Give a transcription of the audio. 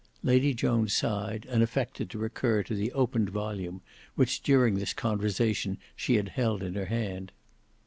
Lady Joan sighed and affected to recur to the opened volume which during this conversation she had held in her hand.